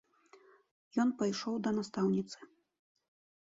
Ён пайшоў да настаўніцы.